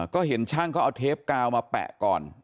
ก็เห็นช่างเขาเอาเทปกาวมาแปะก่อน